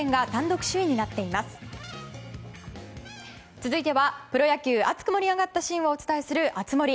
続いてはプロ野球熱く盛り上がったシーンをお伝えする熱盛。